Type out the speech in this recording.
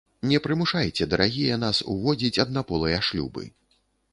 Не прымушайце, дарагія, нас уводзіць аднаполыя шлюбы.